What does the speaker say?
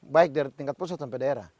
baik dari tingkat pusat sampai daerah